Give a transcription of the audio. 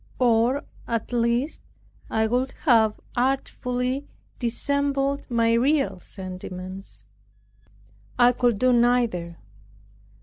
Or, at least, I would have artfully dissembled my real sentiments. I could do neither.